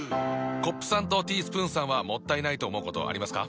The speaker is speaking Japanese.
コップさんとティースプーンさんはもったいないと思うことありますか？